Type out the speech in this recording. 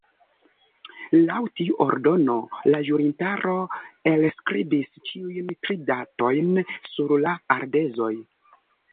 Laŭ tiu ordono, la ĵurintaro elskribis ĉiujn tri datojn sur la ardezoj.